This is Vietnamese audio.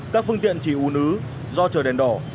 các phương tiện chỉ ủn ứ do trời đèn đỏ